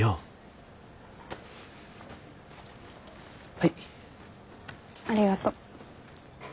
はい。ありがと。